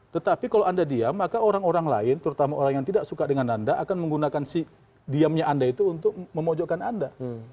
tetapi kalau anda diam maka orang orang lain terutama orang yang tidak suka dengan anda akan menggunakan si diamnya anda itu untuk memojokkan anda